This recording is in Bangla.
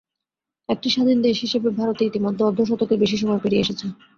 একটি স্বাধীন দেশ হিসেবে ভারত ইতিমধ্যে অর্ধশতকের বেশি সময় পেরিয়ে এসেছে।